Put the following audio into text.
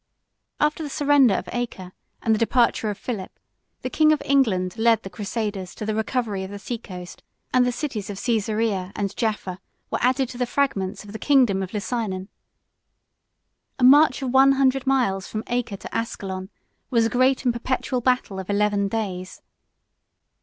74 After the surrender of Acre, and the departure of Philip, the king of England led the crusaders to the recovery of the sea coast; and the cities of Cæsarea and Jaffa were added to the fragments of the kingdom of Lusignan. A march of one hundred miles from Acre to Ascalon was a great and perpetual battle of eleven days.